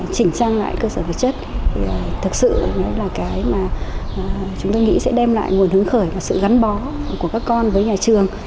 chỉnh trang lại cơ sở vật chất thực sự là cái mà chúng tôi nghĩ sẽ đem lại nguồn hướng khởi và sự gắn bó của các con với nhà trường